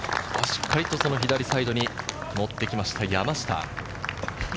しっかり左サイドにもってきました、山下。